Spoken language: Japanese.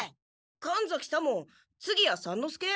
神崎左門次屋三之助？